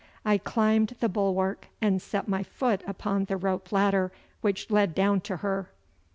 I climbed the bulwark and set my foot upon the rope ladder which led down to her.